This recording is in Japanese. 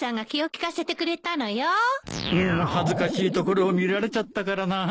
恥ずかしいところを見られちゃったからなあ。